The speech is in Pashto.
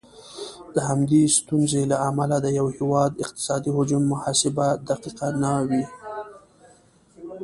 د همدغه ستونزې له امله د یو هیواد اقتصادي حجم محاسبه دقیقه نه وي.